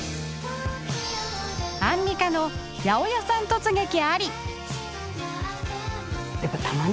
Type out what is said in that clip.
アンミカの八百屋さん突撃あり。